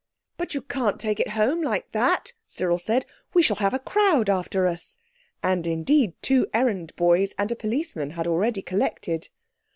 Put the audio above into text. "But you can't take it home like that," Cyril said, "we shall have a crowd after us," and indeed two errand boys and a policeman had already collected.